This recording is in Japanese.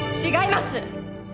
違います！